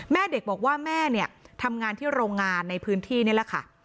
แม่เด็กบอกว่าแม่เนี่ยทำงานที่โรงงานในพื้นที่นี่แหละค่ะ